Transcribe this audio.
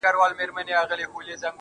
مخامخ وتراشل سوي بت ته ناست دی.